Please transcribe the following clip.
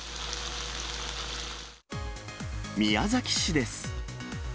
宮崎市です。